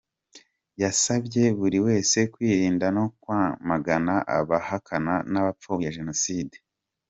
Yasabye buri wese kwirinda no kwamagana abahakana n’abapfobya Jenoside.